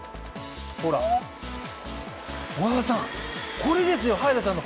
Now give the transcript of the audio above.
ほら、小川さん、これですよ、早田さんの。